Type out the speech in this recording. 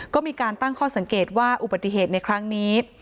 ก็มีการตั้งข้อสังเกตว่าอุบัติเหตุในครั้งนี้